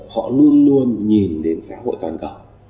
họ luôn luôn nhìn đến xã hội toàn cộng